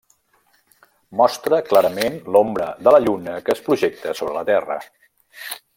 Mostra clarament l'ombra de la Lluna que es projecta sobre la Terra.